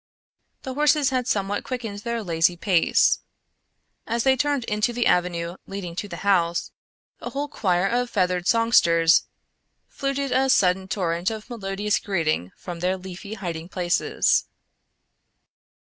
The horses had somewhat quickened their lazy pace. As they turned into the avenue leading to the house, a whole choir of feathered songsters fluted a sudden torrent of melodious greeting from their leafy hiding places.